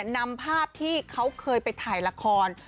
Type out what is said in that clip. นำภาพที่เขาเคยไปถ่ายละคร